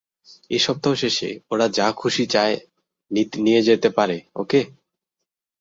এই সপ্তাহ শেষে, ওরা যা খুশি চায় নিয়ে যেতে পারে, ওকে?